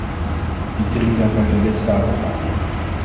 Ik dring daar bij de lidstaten op aan.